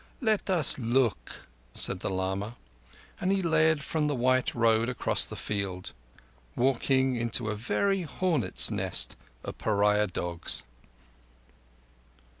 Let us look," said the lama, and he led from the white road across the fields; walking into a very hornets' nest of pariah dogs.